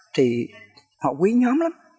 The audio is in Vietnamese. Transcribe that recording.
thì họ quý nhóm lắm